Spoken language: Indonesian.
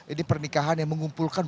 ini pernikahan yang mengumpulkan